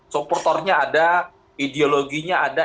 supporternya ada ideologinya ada